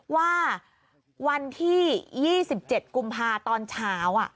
ว่าวันที่๒๗กุมภาตอนเช้า